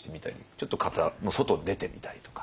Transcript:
ちょっと型の外出てみたりとか。